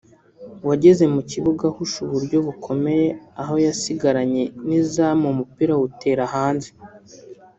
wageze mu kibuga ahusha uburyo bukomeye aho yasigaranye n’izamu umupira awutera hanze